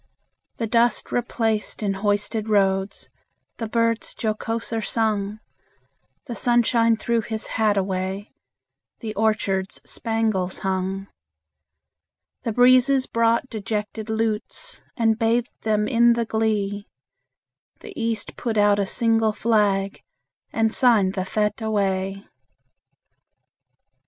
The dust replaced in hoisted roads, The birds jocoser sung; The sunshine threw his hat away, The orchards spangles hung. The breezes brought dejected lutes, And bathed them in the glee; The East put out a single flag, And signed the fete away.